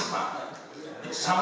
apakah ini berhasil